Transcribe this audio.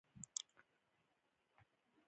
آیا په پوره هوښیارۍ سره نه وي؟